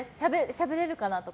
しゃべれるかなとか。